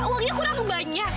uangnya kurang banyak